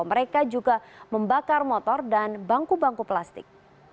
mereka juga membakar motor dan bangku bangku plastik